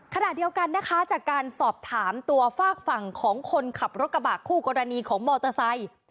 ขณะเดียวกันนะคะจากการสอบถามตัวฝากฝั่งของคนขับรถกระบะคู่กรณีของมอเตอร์ไซค์